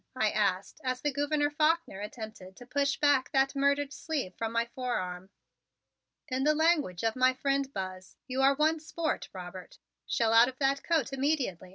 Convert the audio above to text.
I asked as the Gouverneur Faulkner attempted to push back that murdered sleeve from my forearm. "In the language of my friend Buzz, you are one sport, Robert. Shell out of that coat immediately.